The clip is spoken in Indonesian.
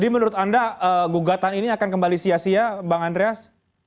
menurut anda gugatan ini akan kembali sia sia bang andreas